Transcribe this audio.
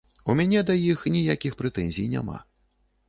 У мяне да іх ніякіх прэтэнзій няма.